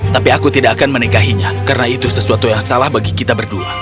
tapi aku tidak akan menikahinya karena itu sesuatu yang salah bagi kita berdua